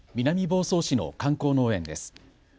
南房総市の観光農園です。